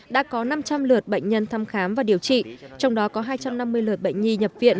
đã có năm trăm linh lượt bệnh nhân thăm khám và điều trị trong đó có hai trăm năm mươi lượt bệnh nhi nhập viện